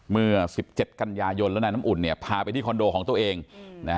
เมื่อ๑๗กันยายนแล้วนายน้ำอุ่นเนี่ยพาไปที่คอนโดของตัวเองนะฮะ